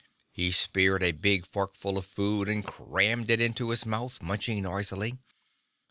He speared a big forkful of food and crammed it into his mouth, munching noisily.